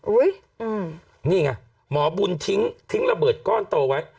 อุ๊ยอืมนี่ไงหมอบุญทิ้งระเบิดก้อนโตไว้